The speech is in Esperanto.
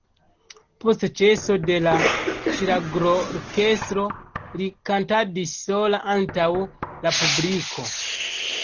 Post ĉeso de la ŝlagrorkestro li kantadis sola antaŭ la publiko.